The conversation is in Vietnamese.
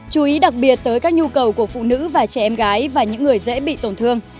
chú ý đặc biệt tới các nhu cầu của phụ nữ và trẻ em gái và những người dễ bị tổn thương